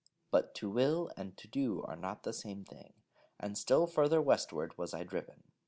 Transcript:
But to will and to do are not the same thing, and still further Westward was I driven.